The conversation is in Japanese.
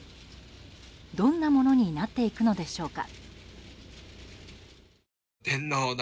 どんなものになっていくのでしょうか。